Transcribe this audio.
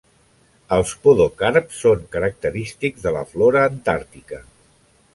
Els podocarps són característics de la flora antàrtica.